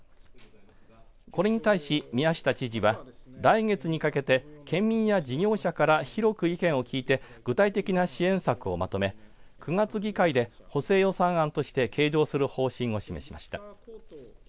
これに対して宮下知事は来月にかけて県民や事業者から広く意見を聞いて具体的な支援策をまとめ９月議会で補正予算案として計上する方針を示しました。